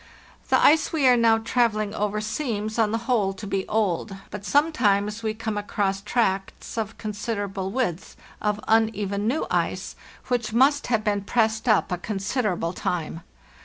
"The ice we are now travelling over seems, on the whole, to be old; but sometimes we come across tracts, of considerable width, of uneven new ice, which must have been pressed up a considerable time.